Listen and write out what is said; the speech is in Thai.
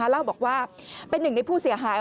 เล่าบอกว่าเป็นหนึ่งในผู้เสียหาย